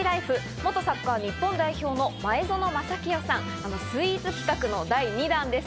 元サッカー日本代表の前園真聖さん、スイーツ企画の第２弾です。